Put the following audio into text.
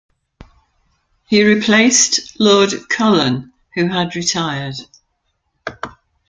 He replaced Lord Cullen, who had retired.